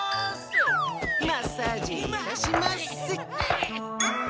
マッサージいたします！